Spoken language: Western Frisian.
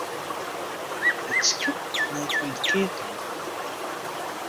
It skip leit oan 't keatling.